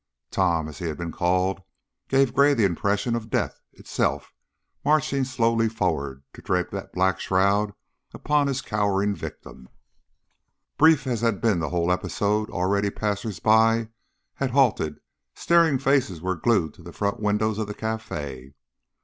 Tom, as he had been called, gave Gray the impression of Death itself marching slowly forward to drape that black shroud upon his cowering victim. Brief as had been the whole episode, already passers by had halted, staring faces were glued to the front windows of the cafe.